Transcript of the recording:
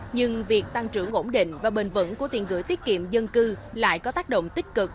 nhưng việc tăng trưởng ổn định và bền vững của tiền gửi tiết kiệm dân cư lại có tác động tích cực